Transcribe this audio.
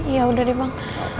ya udah deh bang